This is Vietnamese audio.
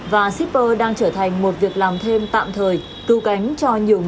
và shipper đang trở thành một việc làm thêm tạm thời cưu cánh cho nhiều người trong mùa dịch này